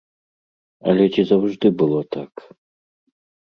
Але ці заўжды было так?